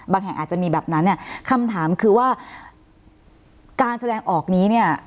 บางแห่งอาจจะมีแบบนั้นคำถามคือว่าการแสดงออกนี้